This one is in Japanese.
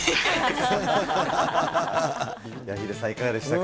ヒデさん、いかがでしたか。